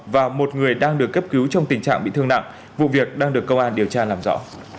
và một người đang được cấp cứu trong tình trạng bị thương nặng vụ việc đang được công an điều tra làm rõ